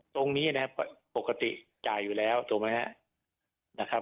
ตรงนี้นะครับปกติจ่ายอยู่แล้วถูกไหมครับนะครับ